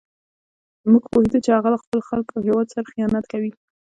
موږ پوهېدو چې هغه له خپلو خلکو او هېواد سره خیانت کوي.